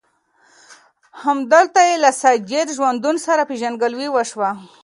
همدلته یې له سجاد ژوندون سره پېژندګلوي وشوه.